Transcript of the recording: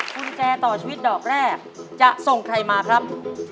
กุญแจต่อชีวิตดอกแรกจะส่งใครมาครับ